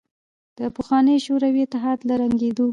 د پخواني شوروي اتحاد له ړنګېدو